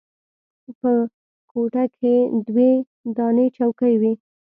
په کوټه کښې دوې دانې چوکۍ وې.